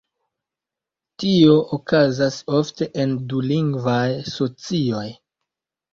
Tio okazas ofte en dulingvaj socioj.